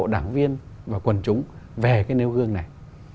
các bộ đảng viên và quần chúng về cái nêu gương này